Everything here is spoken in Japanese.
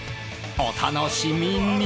お楽しみに！